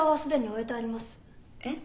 えっ？